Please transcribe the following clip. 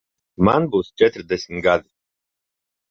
Man būs četrdesmit gadi.